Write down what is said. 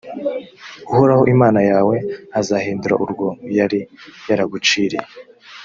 uhoraho imana yawe azahindura urwo yari yaraguciriye,